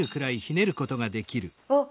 あっ！